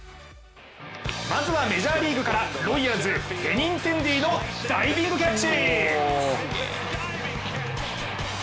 まずはメジャーリーグからロイヤルズ・ベニンテンディのダイビングキャッチ！